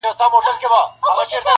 بې پروا له شنه اسمانه!.